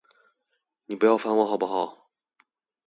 你不要煩我好不好!